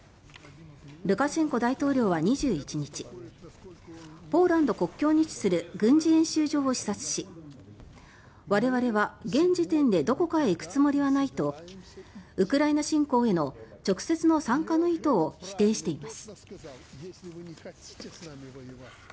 ルカシェンコ大統領は２１日ポーランド国境に位置する軍事演習場を視察し我々は現時点でどこかへ行くつもりはないとウクライナ侵攻への直接の参加の意図を否定しています。